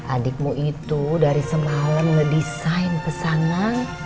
adikmu itu dari semalam ngedesain pesanan